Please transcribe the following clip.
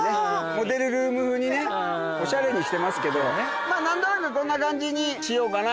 モデルルーム風にねおしゃれにしてますけどまぁ何となくこんな感じにしようかなと。